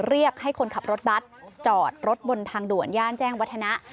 เรียกให้คนขับรถบัตรจอดรถบนทางด่วนย่านแจ้งวัฒนะ